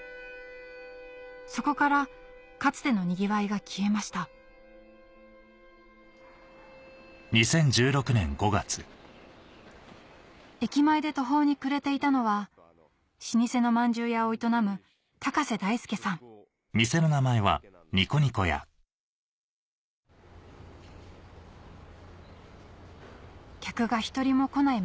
そこからかつてのにぎわいが消えました駅前で途方に暮れていたのは老舗のまんじゅう屋を営む客が１人も来ない